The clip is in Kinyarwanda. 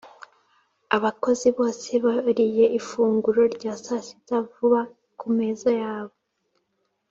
abakozi bose bariye ifunguro rya sasita vuba ku meza yabo.